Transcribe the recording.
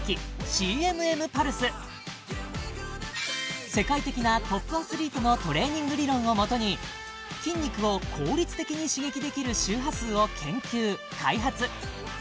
ＣＭＭパルス世界的なトップアスリートのトレーニング理論をもとに筋肉を効率的に刺激できる周波数を研究・開発